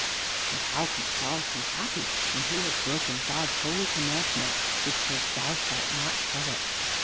But how could Charles be happy when he had broken God's holy commandment, which says, "Thou shalt not covet?"